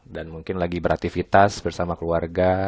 dan mungkin lagi beraktifitas bersama keluarga